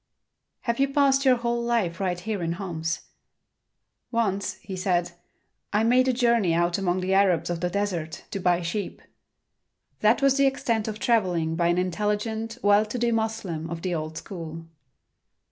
"Have you passed your whole life right here in Homs?" "Once," he said, "I made a journey out among the Arabs of the desert, to buy sheep." That was the extent of traveling by an intelligent, well to do Moslem of the old school.